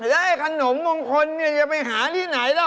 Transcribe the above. แล้วขนมบางคนอย่าไปหาที่ไหนหรอก